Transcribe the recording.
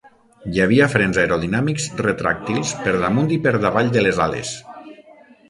Hi havia frens aerodinàmics retràctils per damunt i per davall de les ales.